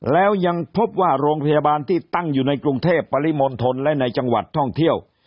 แล้วยังพบว่าโรงพยาบาลที่ตั้งอยู่ในกรุงเทพปริมณฑลและในจังหวัดท่องเที่ยว